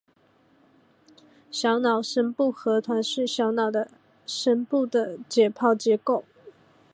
小脑深部核团是小脑的深部的解剖结构。